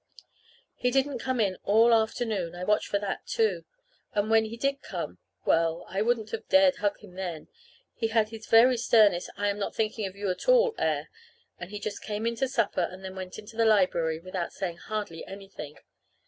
He didn't come in all the afternoon. I watched for that, too. And when he did come well, I wouldn't have dared to hug him then. He had his very sternest I am not thinking of you at all air, and he just came in to supper and then went into the library without saying hardly anything.